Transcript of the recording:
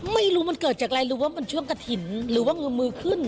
ไม่รู้มันเกิดจากไรมันช่วงกระถิ่นหรือว่าเงินมือขึ้น